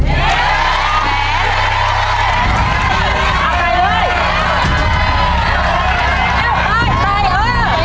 เอาไปเลย